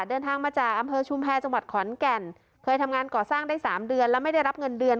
เดินทางมาจากอำเภอชุมแพรจังหวัดขอนแก่นเคยทำงานก่อสร้างได้สามเดือนแล้วไม่ได้รับเงินเดือน